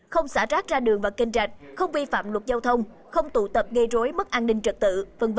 không xả rác ra đường và kênh rạch không vi phạm luật giao thông không tụ tập gây rối mất an ninh trật tự v v